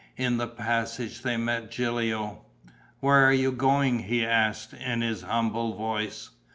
In the passage they met Gilio. "Where are you going?" he asked, in his humble voice.